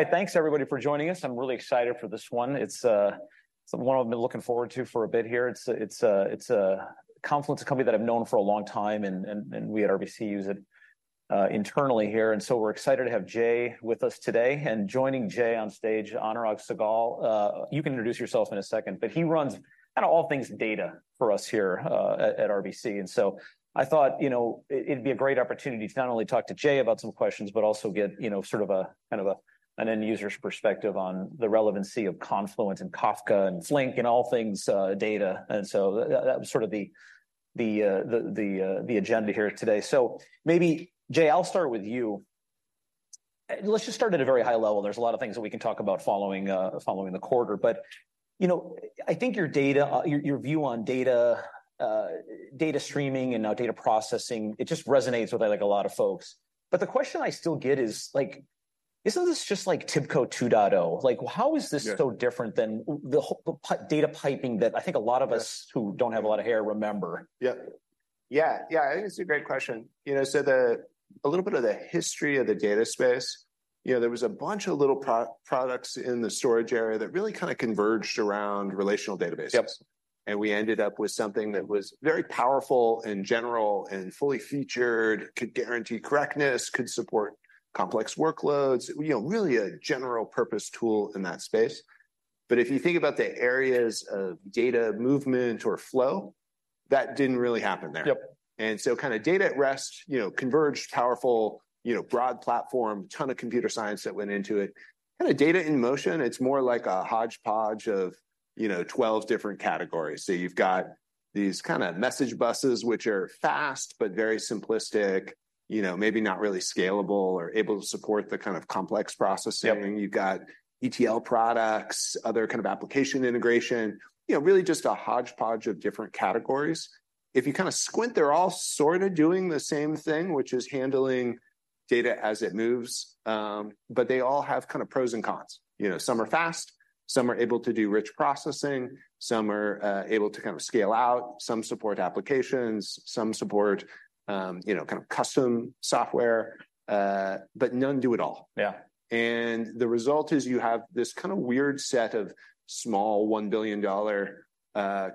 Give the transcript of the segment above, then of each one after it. All right, thanks everybody for joining us. I'm really excited for this one. It's one I've been looking forward to for a bit here. It's a Confluent, a company that I've known for a long time, and we at RBC use it internally here. And so we're excited to have Jay with us today. And joining Jay on stage, Anurag Sehgal. You can introduce yourself in a second, but he runs kinda all things data for us here at RBC. And so I thought, you know, it'd be a great opportunity to not only talk to Jay about some questions, but also get, you know, sort of a kind of an end user's perspective on the relevancy of Confluent and Kafka and Flink and all things data. And so that was sort of the agenda here today. So maybe, Jay, I'll start with you. Let's just start at a very high level. There's a lot of things that we can talk about following the quarter, but, you know, I think your data, your view on data, data streaming and now data processing, it just resonates with, like, a lot of folks. But the question I still get is, like, isn't this just like TIBCO 2.0? Like, how is this so different than the data piping that I think a lot of us who don't have a lot of hair remember? Yeah. I think it's a great question. You know, so a little bit of the history of the data space, you know, there was a bunch of little products in the storage area that really kinda converged around relational databases. Yep. We ended up with something that was very powerful and general and fully featured, could guarantee correctness, could support complex workloads, you know, really a general-purpose tool in that space. But if you think about the areas of data movement or flow, that didn't really happen there. Yep. And so kinda data at rest, you know, converged, powerful, you know, broad platform, ton of computer science that went into it. Kinda data in motion, it's more like a hodgepodge of, you know, 12 different categories. So you've got these kinda message buses, which are fast but very simplistic, you know, maybe not really scalable or able to support the kind of complex processing. You've got ETL products, other kind of application integration, you know, really just a hodgepodge of different categories. If you kinda squint, they're all sorta doing the same thing, which is handling data as it moves, but they all have kind of pros and cons. You know, some are fast, some are able to do rich processing, some are able to kind of scale out, some support applications, some support, you know, kind of custom software, but none do it all. Yeah. The result is you have this kind of weird set of small $1 billion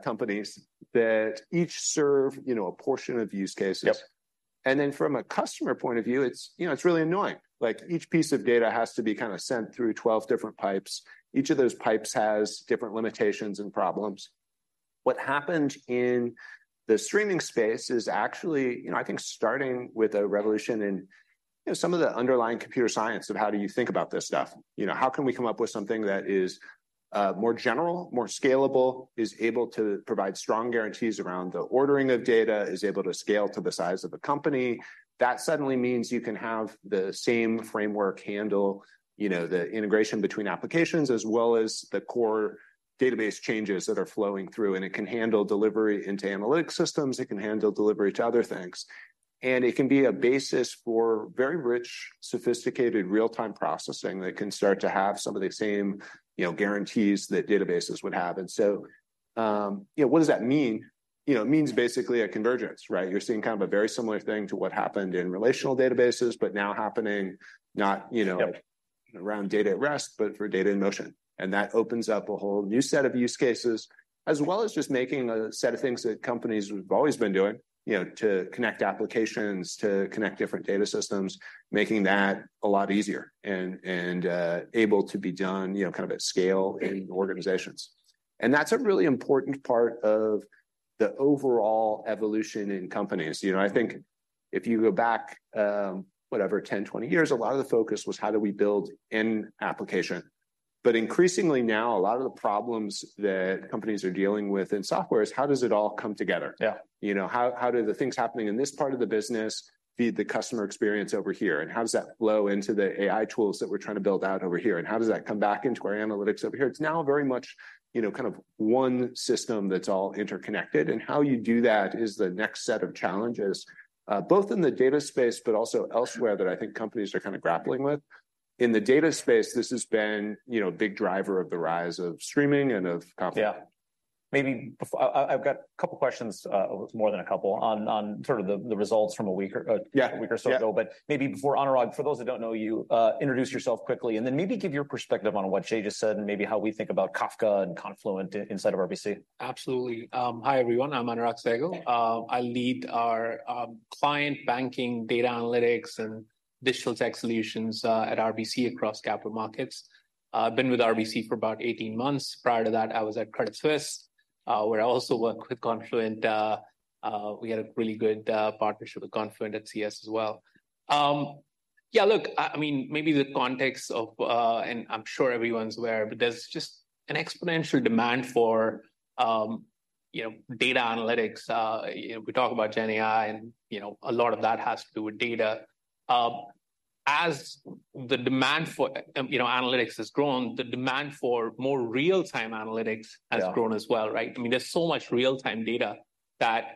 companies that each serve, you know, a portion of use cases. Yep. From a customer point of view, it's, you know, it's really annoying. Like, each piece of data has to be kinda sent through 12 different pipes. Each of those pipes has different limitations and problems. What happened in the streaming space is actually, you know, I think, starting with a revolution in, you know, some of the underlying computer science of how do you think about this stuff. You know, how can we come up with something that is more general, more scalable, is able to provide strong guarantees around the ordering of data, is able to scale to the size of a company? That suddenly means you can have the same framework handle, you know, the integration between applications, as well as the core database changes that are flowing through, and it can handle delivery into analytics systems, it can handle delivery to other things. And it can be a basis for very rich, sophisticated, real-time processing that can start to have some of the same, you know, guarantees that databases would have. And so, you know, what does that mean? You know, it means basically a convergence, right? You're seeing kind of a very similar thing to what happened in relational databases, but now happening not, you know around data at rest, but for data in motion. And that opens up a whole new set of use cases, as well as just making a set of things that companies have always been doing, you know, to connect applications, to connect different data systems, making that a lot easier and, and, able to be done, you know, kind of at scale in organizations. And that's a really important part of the overall evolution in companies. You know, I think if you go back, whatever, 10, 20 years, a lot of the focus was: How do we build an application? But increasingly now, a lot of the problems that companies are dealing with in software is: How does it all come together? Yeah. You know, how do the things happening in this part of the business feed the customer experience over here? And how does that flow into the AI tools that we're trying to build out over here? And how does that come back into our analytics over here? It's now very much, you know, kind of one system that's all interconnected, and how you do that is the next set of challenges, both in the data space, but also elsewhere, that I think companies are kinda grappling with. In the data space, this has been, you know, a big driver of the rise of streaming and of Confluent. Yeah. Maybe I've got a couple questions, more than a couple, on sort of the results from a week or a week or so ago. Yeah. But maybe before, Anurag, for those that don't know you, introduce yourself quickly, and then maybe give your perspective on what Jay just said and maybe how we think about Kafka and Confluent inside of RBC. Absolutely. Hi, everyone, I'm Anurag Sehgal. I lead our client banking data analytics and digital tech solutions at RBC across Capital Markets. I've been with RBC for about 18 months. Prior to that, I was at Credit Suisse, where I also worked with Confluent. We had a really good partnership with Confluent at CS as well. I mean, and I'm sure everyone's aware, but there's just an exponential demand for, you know, data analytics. You know, we talk about GenAI, and, you know, a lot of that has to do with data. As the demand for, you know, analytics has grown, the demand for more real-time analytics has grown as well, right? I mean, there's so much real-time data that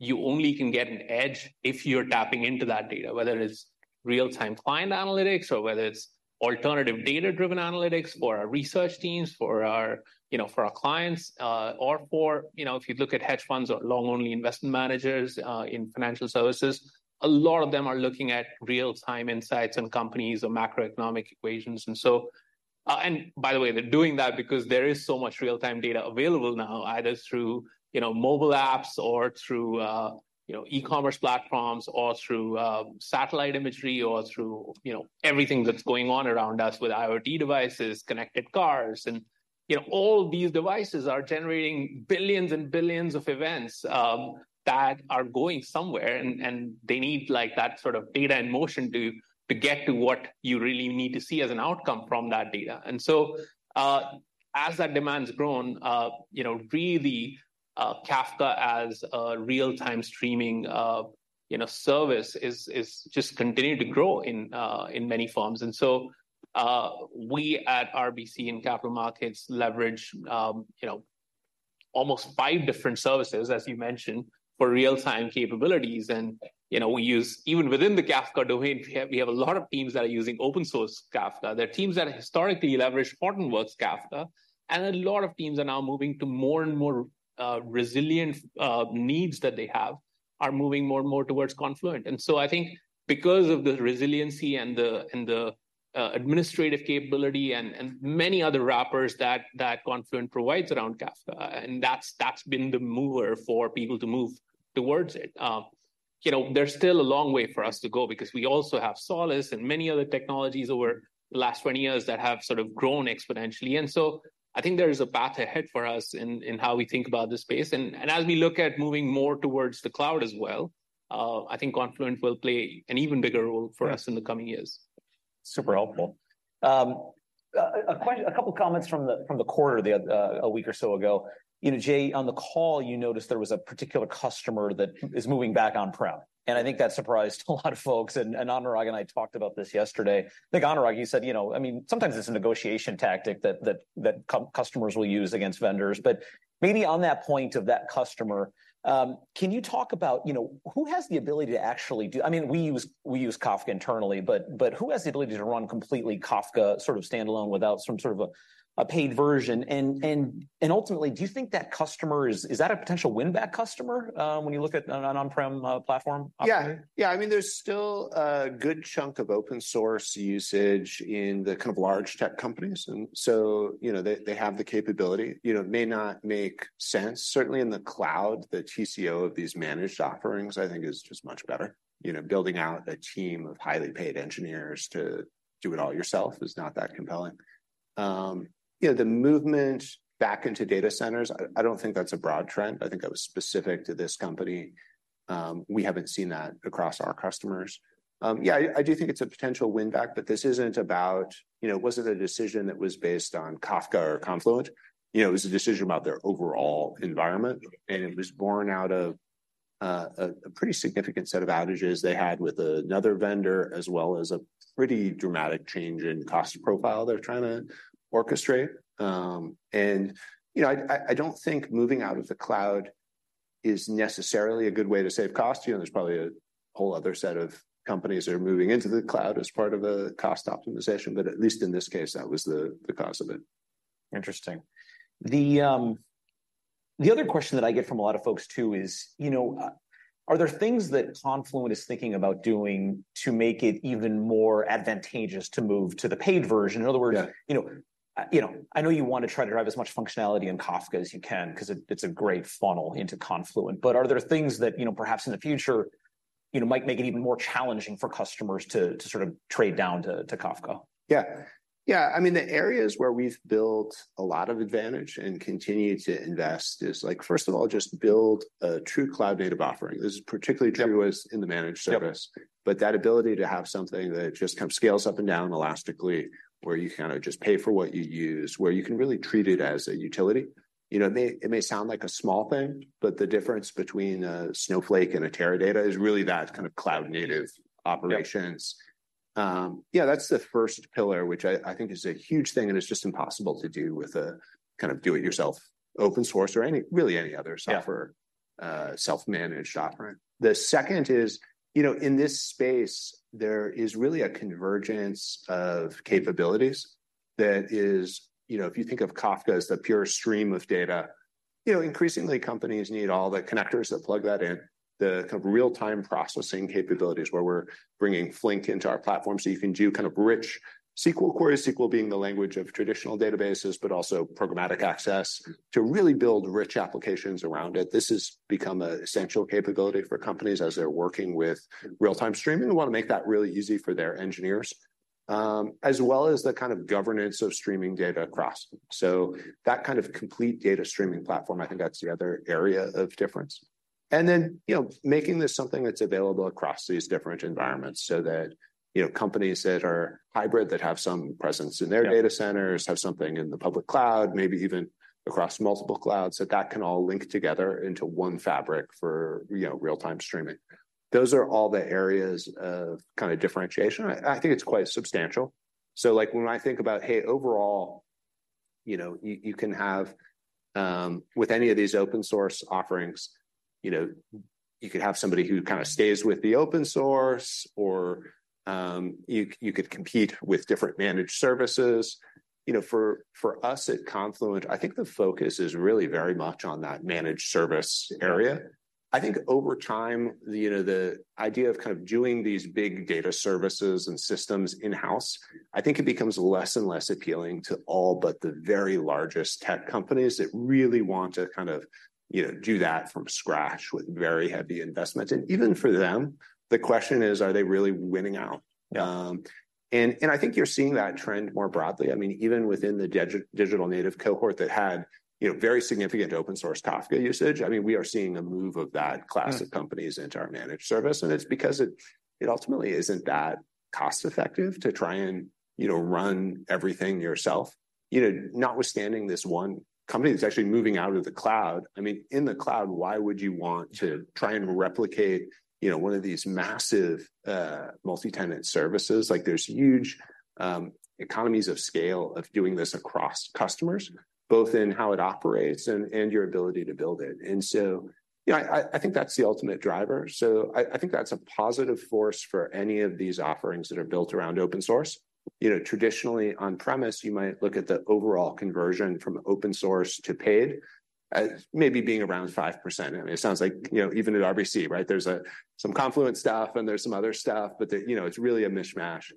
you only can get an edge if you're tapping into that data, whether it's real-time client analytics or whether it's alternative data-driven analytics for our research teams, for our, you know, for our clients, or for, you know, if you look at hedge funds or long-only investment managers, in financial services, a lot of them are looking at real-time insights and companies or macroeconomic equations. And so- And by the way, they're doing that because there is so much real-time data available now, either through, you know, mobile apps or through, you know, e-commerce platforms, or through, satellite imagery, or through, you know, everything that's going on around us with IoT devices, connected cars. And, you know, all these devices are generating billions and billions of events that are going somewhere, and they need, like, that sort of data in motion to get to what you really need to see as an outcome from that data. And so, as that demand's grown, you know, really, Kafka as a real-time streaming, you know, service is just continuing to grow in many forms. And so, we at RBC in Capital Markets leverage, you know, almost five different services, as you mentioned, for real-time capabilities. And, you know, we use even within the Kafka domain, we have, we have a lot of teams that are using open source Kafka. There are teams that historically leveraged Hortonworks Kafka, and a lot of teams are now moving to more and more resilient needs that they have, are moving more and more towards Confluent. And so I think because of the resiliency and the administrative capability, and many other wrappers that Confluent provides around Kafka, and that's been the mover for people to move towards it. You know, there's still a long way for us to go because we also have Solace and many other technologies over the last 20 years that have sort of grown exponentially. And so I think there is a path ahead for us in how we think about this space. And as we look at moving more towards the cloud as well, I think Confluent will play an even bigger role for us in the coming years. Super helpful. A couple of comments from the quarter the other week or so ago. You know, Jay, on the call, you noticed there was a particular customer that is moving back on-prem, and I think that surprised a lot of folks. And Anurag and I talked about this yesterday. I think, Anurag, you said, you know, I mean, sometimes it's a negotiation tactic that customers will use against vendors. But maybe on that point of that customer, can you talk about, you know, who has the ability to actually do. I mean, we use Kafka internally, but who has the ability to run completely Kafka sort of standalone without some sort of a paid version? Ultimately, do you think that customer is that a potential win-back customer, when you look at an on-prem platform opportunity? Yeah. I mean, there's still a good chunk of open-source usage in the kind of large tech companies, and so, you know, they have the capability. You know, it may not make sense. Certainly in the cloud, the TCO of these managed offerings, I think, is just much better. You know, building out a team of highly paid engineers to do it all yourself is not that compelling. You know, the movement back into data centers, I don't think that's a broad trend. I think that was specific to this company. We haven't seen that across our customers. Yeah, I do think it's a potential win-back, but this isn't about. You know, it wasn't a decision that was based on Kafka or Confluent. You know, it was a decision about their overall environment, and it was born out of a pretty significant set of outages they had with another vendor, as well as a pretty dramatic change in cost profile they're trying to orchestrate. And, you know, I don't think moving out of the cloud is necessarily a good way to save cost. You know, there's probably a whole other set of companies that are moving into the cloud as part of a cost optimization, but at least in this case, that was the cause of it. Interesting. The other question that I get from a lot of folks, too, is, you know, are there things that Confluent is thinking about doing to make it even more advantageous to move to the paid version? Yeah. In other words, you know, you know, I know you want to try to drive as much functionality in Kafka as you can, 'cause it, it's a great funnel into Confluent, but are there things that, you know, perhaps in the future, you know, might make it even more challenging for customers to sort of trade down to Kafka? Yeah. I mean, the areas where we've built a lot of advantage and continue to invest is, like, first of all, just build a true cloud-native offering. This is particularly true as in the managed service. Yeah. But that ability to have something that just kind of scales up and down elastically, where you kinda just pay for what you use, where you can really treat it as a utility. You know, it may, it may sound like a small thing, but the difference between a Snowflake and a Teradata is really that kind of cloud-native operations. Yeah. Yeah, that's the first pillar, which I think is a huge thing, and it's just impossible to do with a kind of do-it-yourself open source or any, really any other software self-managed offering. The second is, you know, in this space, there is really a convergence of capabilities that is. You know, if you think of Kafka as the pure stream of data, you know, increasingly, companies need all the connectors that plug that in, the kind of real-time processing capabilities, where we're bringing Flink into our platform so you can do kind of rich SQL query, SQL being the language of traditional databases, but also programmatic access to really build rich applications around it. This has become an essential capability for companies as they're working with real-time streaming, and we wanna make that really easy for their engineers. As well as the kind of governance of streaming data across. So that kind of complete data streaming platform, I think that's the other area of difference. And then, you know, making this something that's available across these different environments so that, you know, companies that are hybrid, that have some presence in their data centers, have something in the public cloud, maybe even across multiple clouds, that that can all link together into one fabric for, you know, real-time streaming. Those are all the areas of kind of differentiation. I, I think it's quite substantial. So, like, when I think about, hey, overall, you know, you can have. With any of these open-source offerings, you know, you could have somebody who kind of stays with the open source or, you could compete with different managed services. You know, for us at Confluent, I think the focus is really very much on that managed service area. I think over time, you know, the idea of kind of doing these big data services and systems in-house, I think it becomes less and less appealing to all but the very largest tech companies that really want to kind of, you know, do that from scratch with very heavy investment. And even for them, the question is: Are they really winning out? And I think you're seeing that trend more broadly. I mean, even within the digital native cohort that had, you know, very significant open source Kafka usage, I mean, we are seeing a move of that class of companies into our managed service, and it's because it ultimately isn't that cost-effective to try and, you know, run everything yourself. You know, notwithstanding this one company that's actually moving out of the cloud, I mean, in the cloud, why would you want to try and replicate, you know, one of these massive, multi-tenant services? Like, there's huge, economies of scale of doing this across customers, both in how it operates and your ability to build it. And so, you know, I think that's the ultimate driver, so I think that's a positive force for any of these offerings that are built around open source. You know, traditionally, on-premise, you might look at the overall conversion from open source to paid as maybe being around 5%. I mean, it sounds like, you know, even at RBC, right? There's some Confluent stuff, and there's some other stuff, but, you know, it's really a mishmash.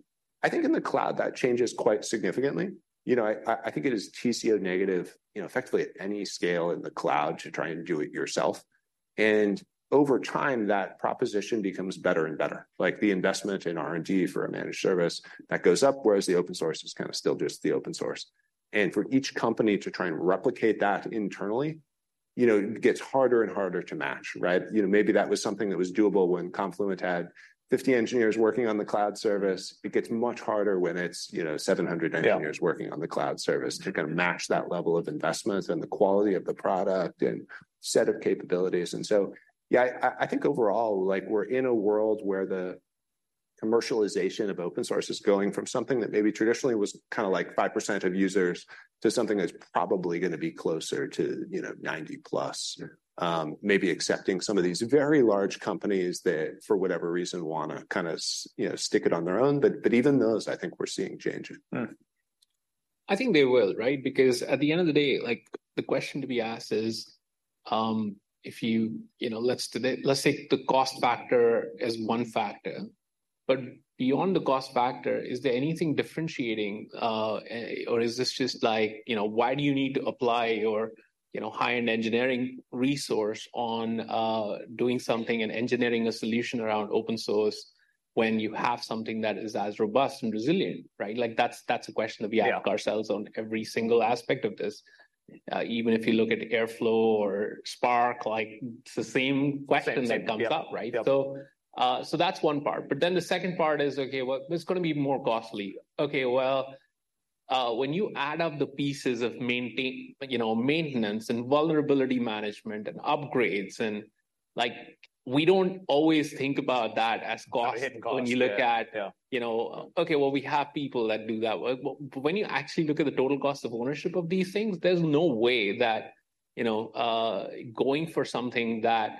I think in the cloud, that changes quite significantly. You know, I think it is TCO negative, you know, effectively at any scale in the cloud to try and do it yourself, and over time, that proposition becomes better and better. Like, the investment in R&D for a managed service, that goes up, whereas the open source is kind of still just the open source. And for each company to try and replicate that internally, you know, it gets harder and harder to match, right? You know, maybe that was something that was doable when Confluent had 50 engineers working on the cloud service. It gets much harder when it's, you know, 700 engineers working on the cloud service to kind of match that level of investment and the quality of the product and set of capabilities. And so, yeah, I, I think overall, like, we're in a world where the commercialization of open source is going from something that maybe traditionally was kind of like 5% of users to something that's probably gonna be closer to, you know, 90+. Yeah. Maybe excepting some of these very large companies that, for whatever reason, wanna kind of, you know, stick it on their own, but even those, I think we're seeing changing. I think they will, right? Because at the end of the day, like, the question to be asked is, if you. You know, let's say the cost factor is one factor, but beyond the cost factor, is there anything differentiating, or is this just like, you know, why do you need to apply or, you know, hire an engineering resource on doing something and engineering a solution around open source when you have something that is as robust and resilient, right? Like, that's, that's a question that we ask ourselves on every single aspect of this. Even if you look at Airflow or Spark, like, it's the same question- Same thing... that comes up, right? Yep. So, so that's one part, but then the second part is, okay, well, it's gonna be more costly. Okay, well, when you add up the pieces of maintenance, you know, and vulnerability management and upgrades and like, we don't always think about that as cost- Oh, hidden costs... when you look at- Yeah... you know, okay, well, we have people that do that work. But when you actually look at the total cost of ownership of these things, there's no way that, you know, going for something that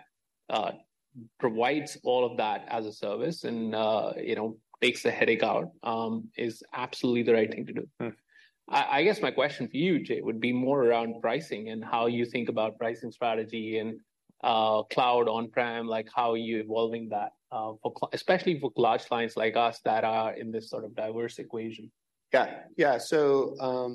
provides all of that as a service and, you know, takes the headache out, is absolutely the right thing to do. I guess my question for you, Jay, would be more around pricing and how you think about pricing strategy and cloud on-prem, like, how are you evolving that for especially for large clients like us that are in this sort of diverse equation? Yeah, so,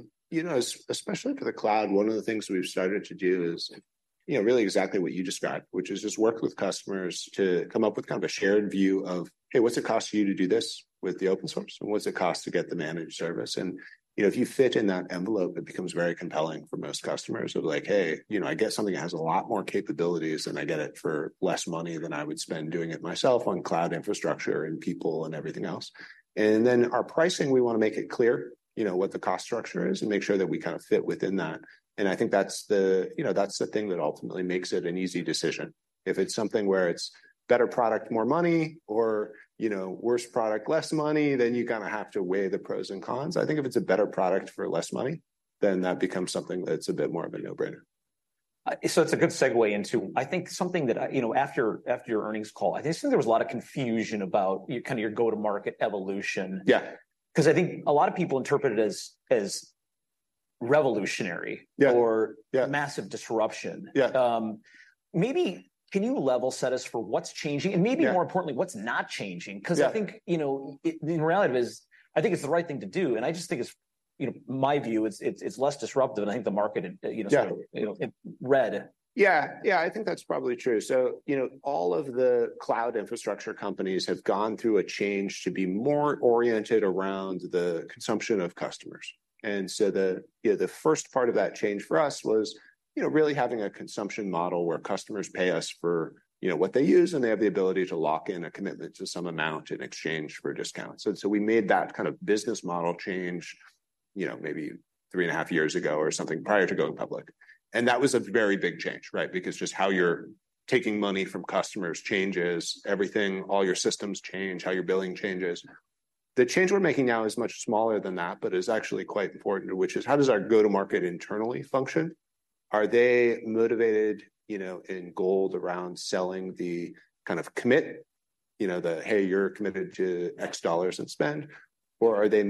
especially for the cloud, one of the things we've started to do is, you know, really exactly what you described, which is just work with customers to come up with kind of a shared view of, "Hey, what's it cost for you to do this with the open source, and what does it cost to get the managed service?" And, you know, if you fit in that envelope, it becomes very compelling for most customers of like: "Hey, you know, I get something that has a lot more capabilities, and I get it for less money than I would spend doing it myself on cloud infrastructure and people and everything else." And then, our pricing, we wanna make it clear, you know, what the cost structure is and make sure that we kind of fit within that, and I think that's the, you know, that's the thing that ultimately makes it an easy decision. If it's something where it's better product, more money, or, you know, worse product, less money, then you kind of have to weigh the pros and cons. I think if it's a better product for less money, then that becomes something that's a bit more of a no-brainer. So it's a good segue into. I think something that I. You know, after your earnings call, I think there was a lot of confusion about kind of your go-to-market evolution. Yeah. 'Cause I think a lot of people interpret it as, as revolutionary or massive disruption. Yeah. Maybe can you level set us for what's changing? Yeah And maybe more importantly, what's not changing? Yeah. 'Cause I think, you know, the reality of it is, I think it's the right thing to do, and I just think it's, you know, my view, it's less disruptive, and I think the market, you know sort of, you know, read it. Yeah. I think that's probably true. So, you know, all of the cloud infrastructure companies have gone through a change to be more oriented around the consumption of customers. And so the, you know, the first part of that change for us was, you know, really having a consumption model where customers pay us for, you know, what they use, and they have the ability to lock in a commitment to some amount in exchange for discounts. And so we made that kind of business model change, you know, maybe 3.5 years ago or something prior to going public, and that was a very big change, right? Because just how you're taking money from customers changes everything. All your systems change, how your billing changes. Yeah. The change we're making now is much smaller than that but is actually quite important, which is how does our go-to-market internally function? Are they motivated, you know, incentivized around selling the kind of commitment? you know, the, "Hey, you're committed to $X in spend," or are they you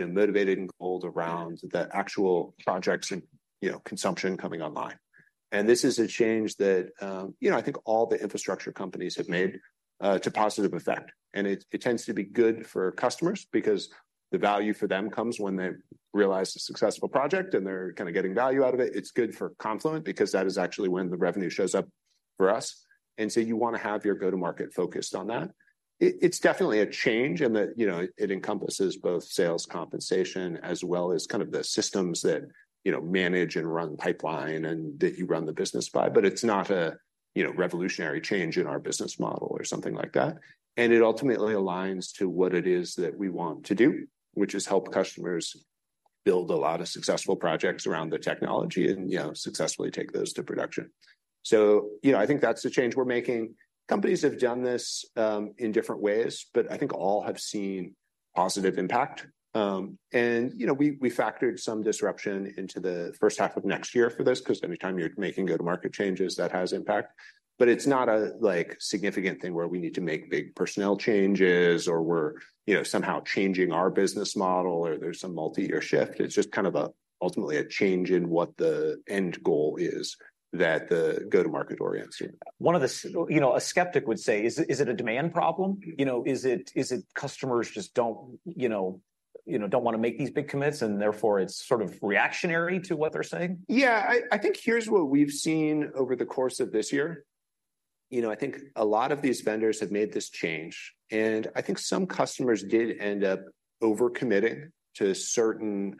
know, motivated and pulled around the actual projects and, you know, consumption coming online? And this is a change that, you know, I think all the infrastructure companies have made, to positive effect. And it, it tends to be good for customers because the value for them comes when they realize a successful project, and they're kind of getting value out of it. It's good for Confluent because that is actually when the revenue shows up for us, and so you wanna have your go-to-market focused on that. It's definitely a change in that, you know, it encompasses both sales compensation as well as kind of the systems that, you know, manage and run pipeline and that you run the business by, but it's not a, you know, revolutionary change in our business model or something like that. And it ultimately aligns to what it is that we want to do, which is help customers build a lot of successful projects around the technology and, you know, successfully take those to production. So, you know, I think that's the change we're making. Companies have done this in different ways, but I think all have seen positive impact. And, you know, we factored some disruption into the first half of next year for this, 'cause anytime you're making go-to-market changes, that has impact. But it's not a, like, significant thing where we need to make big personnel changes or we're, you know, somehow changing our business model or there's some multi-year shift. It's just kind of a, ultimately a change in what the end goal is, that the go-to-market orientation. One of the, you know, a skeptic would say, "Is it, is it a demand problem?" You know, "Is it, is it customers just don't, you know, you know, don't wanna make these big commits, and therefore, it's sort of reactionary to what they're saying? Yeah, I think here's what we've seen over the course of this year. You know, I think a lot of these vendors have made this change, and I think some customers did end up over-committing to certain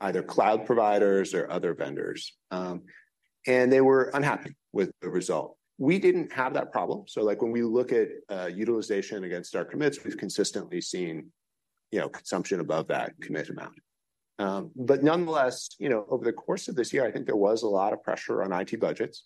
either cloud providers or other vendors. And they were unhappy with the result. We didn't have that problem, so, like, when we look at utilization against our commits, we've consistently seen, you know, consumption above that commit amount. But nonetheless, you know, over the course of this year, I think there was a lot of pressure on IT budgets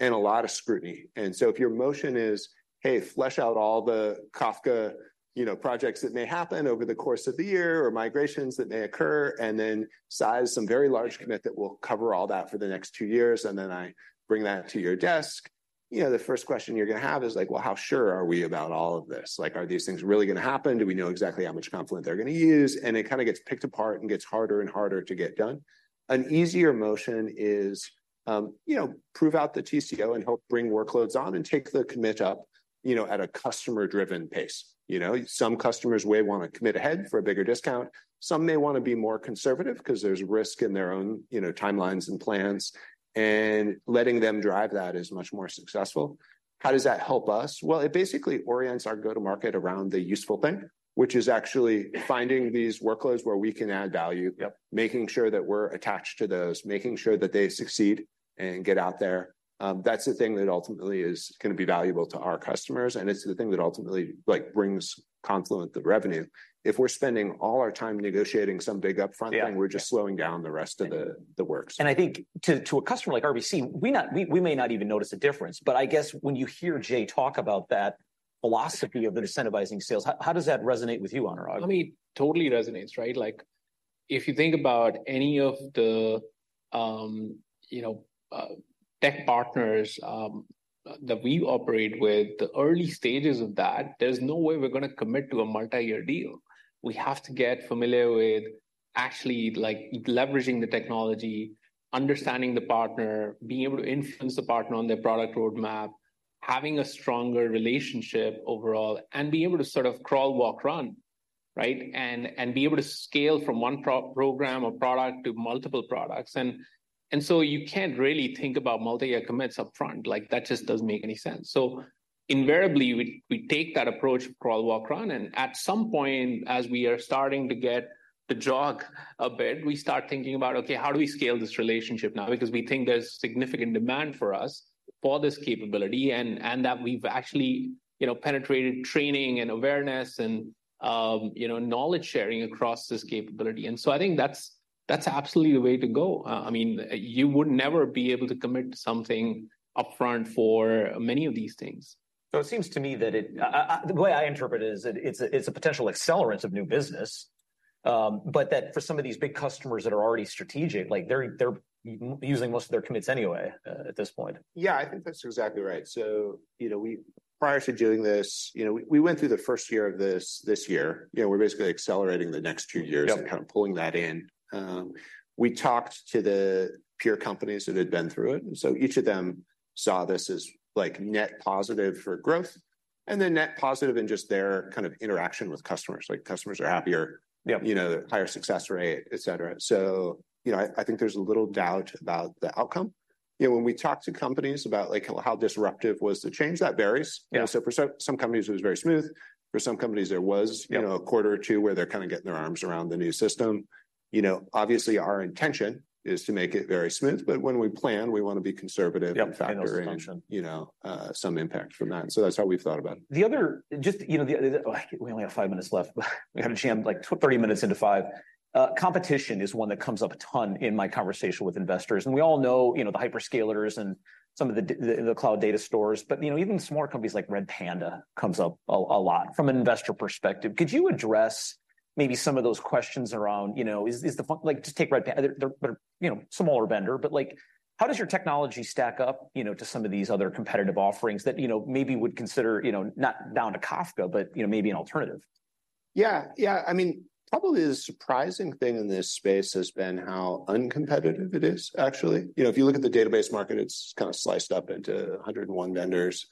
and a lot of scrutiny. And so if your motion is, "Hey, flesh out all the Kafka, you know, projects that may happen over the course of the year or migrations that may occur," and then size some very large commit that will cover all that for the next two years, and then I bring that to your desk, you know, the first question you're gonna have is like: Well, how sure are we about all of this? Like, are these things really gonna happen? Do we know exactly how much Confluent they're gonna use? And it kind of gets picked apart and gets harder and harder to get done. An easier motion is, you know, prove out the TCO and help bring workloads on and take the commit up, you know, at a customer-driven pace. You know, some customers may wanna commit ahead for a bigger discount. Some may wanna be more conservative 'cause there's risk in their own, you know, timelines and plans, and letting them drive that is much more successful. How does that help us? Well, it basically orients our go-to-market around the useful thing, which is actually finding these workloads where we can add value making sure that we're attached to those, making sure that they succeed and get out there. That's the thing that ultimately is gonna be valuable to our customers, and it's the thing that ultimately, like, brings Confluent the revenue. If we're spending all our time negotiating some big upfront thing we're just slowing down the rest of the works. I think to a customer like RBC, we may not even notice a difference, but I guess when you hear Jay talk about that philosophy of the incentivizing sales, how does that resonate with you, Anurag? I mean, it totally resonates, right? Like, if you think about any of the, you know, tech partners that we operate with, the early stages of that, there's no way we're gonna commit to a multi-year deal. We have to get familiar with actually, like, leveraging the technology, understanding the partner, being able to influence the partner on their product roadmap, having a stronger relationship overall, and being able to sort of crawl, walk, run, right? And be able to scale from one program or product to multiple products. And so you can't really think about multi-year commits upfront. Like, that just doesn't make any sense. So invariably, we take that approach, crawl, walk, run, and at some point, as we are starting to get the jog a bit, we start thinking about, "Okay, how do we scale this relationship now?" Because we think there's significant demand for us for this capability and that we've actually, you know, penetrated training and awareness and, you know, knowledge sharing across this capability. And so I think that's absolutely the way to go. I mean, you would never be able to commit to something upfront for many of these things. So it seems to me that the way I interpret it is that it's a potential accelerant of new business, but that for some of these big customers that are already strategic, like, they're using most of their commits anyway, at this point. Yeah, I think that's exactly right. So, you know, we, prior to doing this, you know, we went through the first year of this year. You know, we're basically accelerating the next two years and kind of pulling that in. We talked to the peer companies that had been through it, and so each of them saw this as, like, net positive for growth and then net positive in just their kind of interaction with customers. Like, customers are happier you know, higher success rate, et cetera. So, you know, I think there's little doubt about the outcome. You know, when we talk to companies about, like, how disruptive was the change, that varies. Yeah. And so for some companies, it was very smooth. For some companies, there was you know, a quarter or two where they're kind of getting their arms around the new system. You know, obviously, our intention is to make it very smooth, but when we plan, we wanna be conservative and factor in- And consumption... you know, some impact from that, and so that's how we've thought about it. Just, you know, we only have five minutes left. We had to jam, like, 30 minutes into five. Competition is one that comes up a ton in my conversation with investors, and we all know, you know, the hyperscalers and some of the cloud data stores, but, you know, even smaller companies like Redpanda comes up a lot. From an investor perspective, could you address, maybe some of those questions around, you know, is the point, like, just take Red Hat. They're, you know, smaller vendor, but, like, how does your technology stack up, you know, to some of these other competitive offerings that, you know, maybe would consider, you know, not down to Kafka, but, you know, maybe an alternative? Yeah. I mean, probably the surprising thing in this space has been how uncompetitive it is, actually. You know, if you look at the database market, it's kind of sliced up into 101 vendors,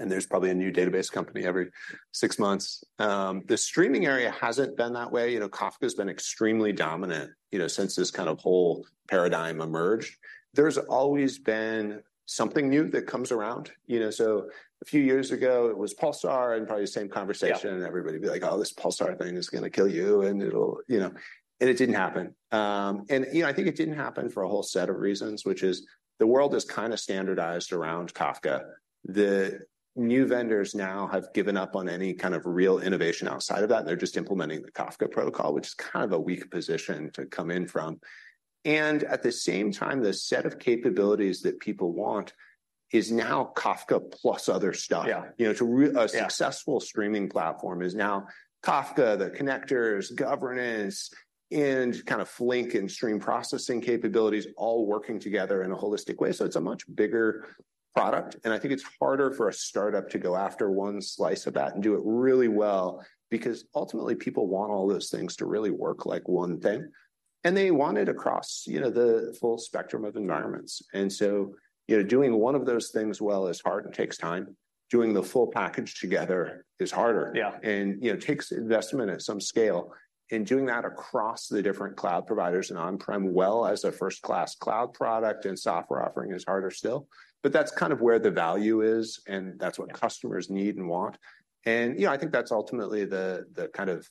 and there's probably a new database company every six months. The streaming area hasn't been that way, you know. Kafka's been extremely dominant, you know, since this kind of whole paradigm emerged. There's always been something new that comes around, you know? So a few years ago it was Pulsar, and probably the same conversation and everybody would be like: "Oh, this Pulsar thing is gonna kill you, and it'll." You know, and it didn't happen. And, you know, I think it didn't happen for a whole set of reasons, which is the world is kind of standardized around Kafka. The new vendors now have given up on any kind of real innovation outside of that, and they're just implementing the Kafka protocol, which is kind of a weak position to come in from. And at the same time, the set of capabilities that people want is now Kafka plus other stuff. Yeah. You know, to a successful streaming platform is now Kafka, the connectors, governance, and kind of Flink and stream processing capabilities all working together in a holistic way. So it's a much bigger product, and I think it's harder for a startup to go after one slice of that and do it really well, because ultimately people want all those things to really work like one thing, and they want it across, you know, the full spectrum of environments. And so, you know, doing one of those things well is hard and takes time. Doing the full package together is harder and, you know, takes investment at some scale. And doing that across the different cloud providers and on-prem well, as a first-class cloud product and software offering, is harder still. But that's kind of where the value is, and that's what customers need and want. And, you know, I think that's ultimately the, the kind of,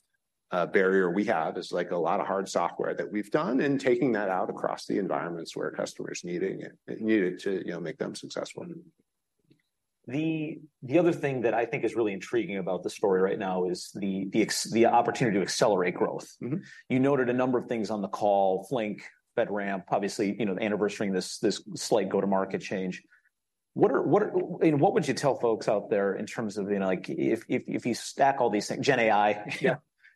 barrier we have, is, like, a lot of hard software that we've done and taking that out across the environments where customers needing it, need it to, you know, make them successful. The other thing that I think is really intriguing about the story right now is the opportunity to accelerate growth. You noted a number of things on the call, Flink, FedRAMP, obviously. You know, anniversarying this slight go-to-market change. What are, what are. You know, what would you tell folks out there in terms of, you know, like, if, if, if you stack all these things, GenAI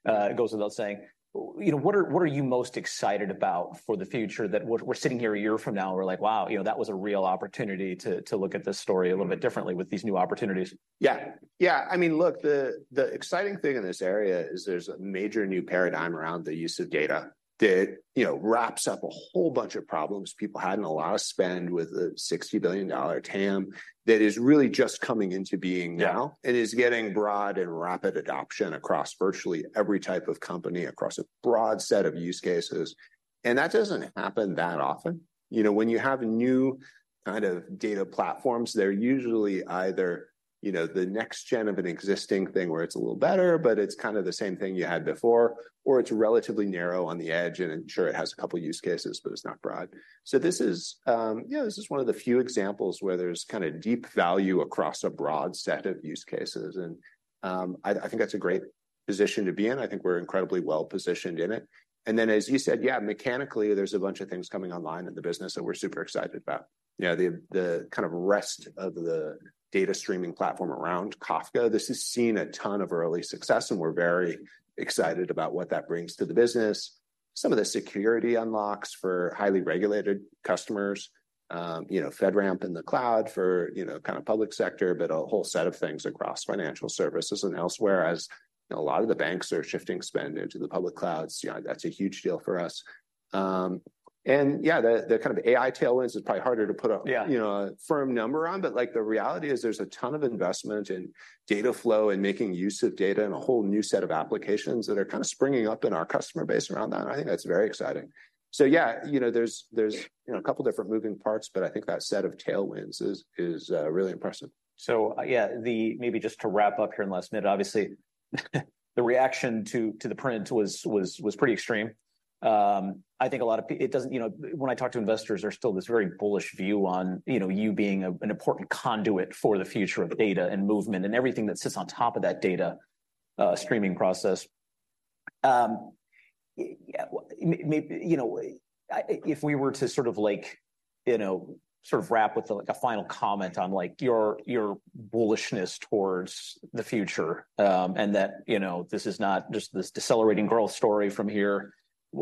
it goes without saying. You know, what are you most excited about for the future that we're sitting here a year from now, and we're like: "Wow, you know, that was a real opportunity to look at this story a little bit differently with these new opportunities"? Yeah. I mean, look, the, the exciting thing in this area is there's a major new paradigm around the use of data that, you know, wraps up a whole bunch of problems people had and a lot of spend with a $60 billion TAM that is really just coming into being now and is getting broad and rapid adoption across virtually every type of company, across a broad set of use cases, and that doesn't happen that often. You know, when you have new kind of data platforms, they're usually either, you know, the next gen of an existing thing, where it's a little better, but it's kind of the same thing you had before, or it's relatively narrow on the edge, and sure, it has a couple use cases, but it's not broad. So this is, yeah, this is one of the few examples where there's kind of deep value across a broad set of use cases. And, I think that's a great position to be in. I think we're incredibly well-positioned in it. And then, as you said, yeah, mechanically, there's a bunch of things coming online in the business that we're super excited about. You know, the kind of rest of the data streaming platform around Kafka, this has seen a ton of early success, and we're very excited about what that brings to the business. Some of the security unlocks for highly regulated customers, you know, FedRAMP in the cloud for, you know, kind of public sector, but a whole set of things across financial services and elsewhere, as you know, a lot of the banks are shifting spend into the public clouds. You know, that's a huge deal for us. And yeah, the kind of AI tailwinds is probably harder to put a you know, a firm number on, but, like, the reality is there's a ton of investment in data flow and making use of data and a whole new set of applications that are kind of springing up in our customer base around that, and I think that's very exciting. So yeah, you know, there's, you know, a couple different moving parts, but I think that set of tailwinds is really impressive. So yeah, maybe just to wrap up here in the last minute, obviously, the reaction to the print was pretty extreme. I think a lot of people, it doesn't. You know, when I talk to investors, there's still this very bullish view on, you know, you being an important conduit for the future of data and movement and everything that sits on top of that data streaming process. Yeah, you know, if we were to sort of, like, you know, sort of wrap with, like, a final comment on, like, your bullishness towards the future, and that, you know, this is not just this decelerating growth story from here,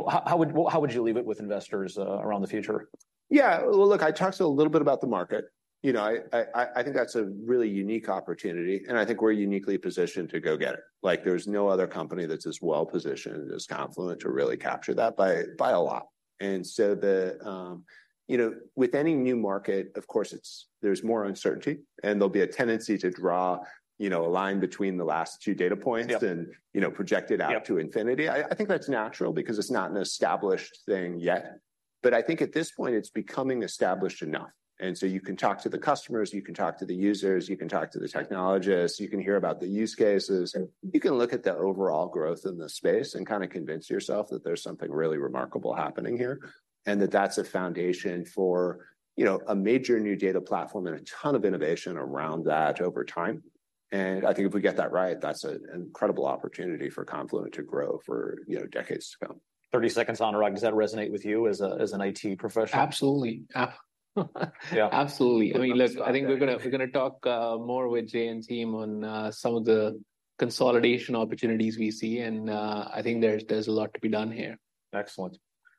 how would you leave it with investors around the future? Yeah. Well, look, I talked a little bit about the market. You know, I think that's a really unique opportunity, and I think we're uniquely positioned to go get it. Like, there's no other company that's as well positioned as Confluent to really capture that by a lot. And so the. You know, with any new market, of course, there's more uncertainty, and there'll be a tendency to draw, you know, a line between the last two data points and, you know, project it out to infinity. I think that's natural because it's not an established thing yet, but I think at this point it's becoming established enough. And so you can talk to the customers, you can talk to the users, you can talk to the technologists, you can hear about the use cases. Yeah. You can look at the overall growth in the space and kind of convince yourself that there's something really remarkable happening here, and that that's a foundation for, you know, a major new data platform and a ton of innovation around that over time. I think if we get that right, that's an incredible opportunity for Confluent to grow for, you know, decades to come. 30 seconds, Anurag, does that resonate with you as an IT professional? Absolutely. Yeah. Absolutely. Absolutely. I mean, look, I think we're gonna talk more with Jay and team on some of the consolidation opportunities we see, and I think there's a lot to be done here. Excellent.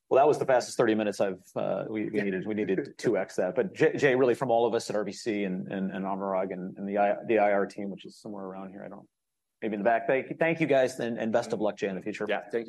Well, that was the fastest 30 minutes we needed to 2x that. But Jay, really from all of us at RBC and Anurag and the IR team, which is somewhere around here, maybe in the back. Thank you, guys, and best of luck to you in the future. Yeah, thank you.